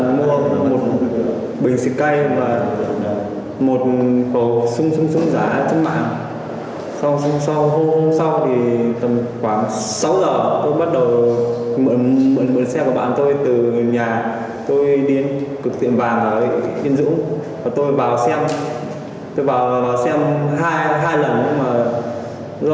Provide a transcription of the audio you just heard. ngày mùng sáu tôi đã đặt mua một bình xịt cay và một cổ xung xung giá trên mạng